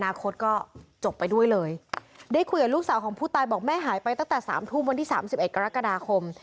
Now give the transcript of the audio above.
คตก็จบไปด้วยเลยได้คุยกับลูกสาวของผู้ตายบอกแม่หายไปตั้งแต่สามทุ่มวันที่สามสิบเอ็ดกรกฎาคม